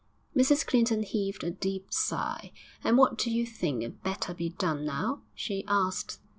Mrs Clinton heaved a deep sigh. 'And what do you think 'ad better be done now?' she asked.